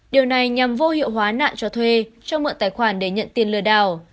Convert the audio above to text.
điều này nhằm vô hiệu hóa nạn cho thuê cho mượn tài khoản để nhận tiền lừa đảo